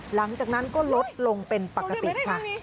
หลังจากนั้นก็ลดลงเป็นปกติค่ะ